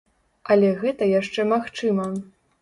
Але гэта яшчэ магчыма.